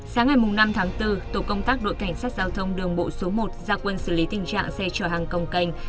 sáng ngày năm tháng bốn tổ công tác đội cảnh sát giao thông đường bộ số một ra quân xử lý tình trạng xe chở hàng công canh